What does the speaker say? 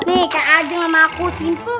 nih kayak aja sama aku simple kan